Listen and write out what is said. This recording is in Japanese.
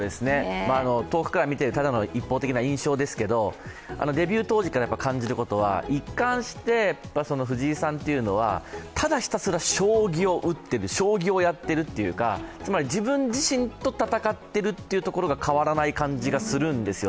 遠くから見ている、ただの一方的な印象ですけど、デビュー当時から感じることは一貫して藤井さんというのはただひたすら将棋を打っている将棋をやっているというか、つまり自分自身と戦っているところが変わらない感じがするんですよ。